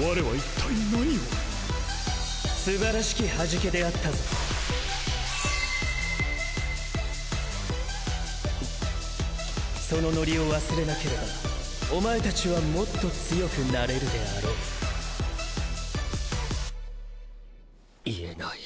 ワレは一体何をすばらしきハジケでそのノリを忘れなければお前たちはもっと強くなれるであろう言えない